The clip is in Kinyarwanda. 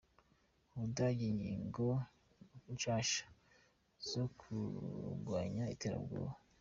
Ubudagi: Ingingo nshasha zo kugwanya iterabwoba.